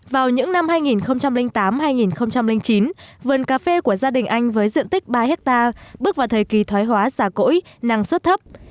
vào những năm hai nghìn tám hai nghìn chín vườn cà phê của gia đình anh với diện tích ba hectare bước vào thời kỳ thoái hóa xà cỗi năng suất thấp